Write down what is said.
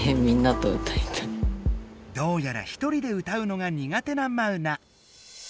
どうやらひとりで歌うのが苦手なマウナ。